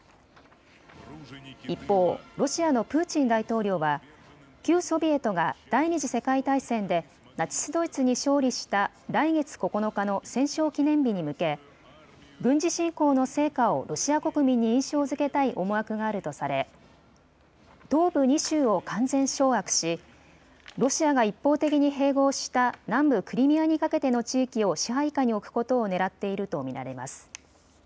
一方、ロシアのプーチン大統領は旧ソビエトが第２次世界大戦でナチス・ドイツに勝利した来月９日の戦勝記念日に向け軍事侵攻の成果をロシア国民に印象づけたい思惑があるとされ東部２州を完全掌握しロシアが一方的に併合した南部クリミアにかけての地域を支配下に置くことをねらっていると見られます。